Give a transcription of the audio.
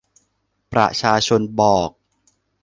ประชาชนบอก